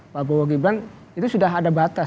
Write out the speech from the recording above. pak bowo gibran itu sudah ada batas